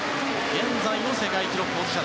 現在の世界記録保持者。